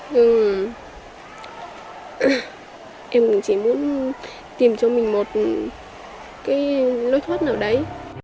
nhưng em mình chỉ muốn tìm cho mình một cái lối thoát nào đấy